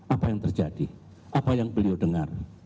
apa yang terjadi apa yang beliau dengar